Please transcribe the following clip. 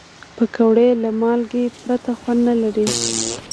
پکورې له مالګې پرته خوند نه لري